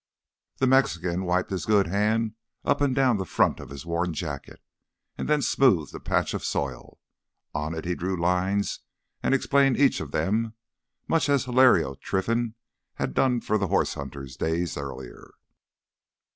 The Mexican wiped his good hand up and down the front of his worn jacket, and then smoothed a patch of soil. On it he drew lines and explained each of them, much as Hilario Trinfan had done for the horse hunters days earlier.